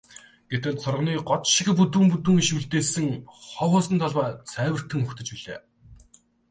Гэтэл цооргонын год шиг бүдүүн бүдүүн иш үлдээсэн хов хоосон талбай цайвартан угтаж билээ.